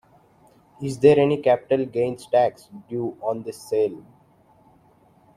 Is there any Capital Gains tax due on this sale?